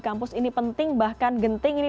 kampus ini penting bahkan genting ini